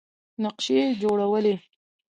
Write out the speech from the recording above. نقشې یې جوړولې.